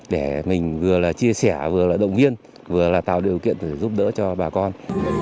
để mình vừa là chia sẻ vừa là động viên vừa là tạo điều kiện giúp đỡ cho bà con